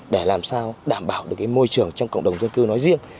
để làm sao đảm bảo được môi trường trong cộng đồng dân cư nói riêng